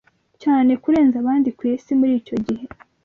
cyane kurenza abandi ku isi muri icyo gihe